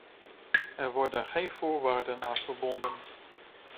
Er worden geen voorwaarden aan verbonden.